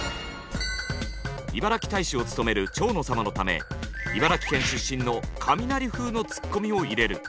いばらき大使を務める蝶野様のため茨城県出身のカミナリ風のツッコミを入れる。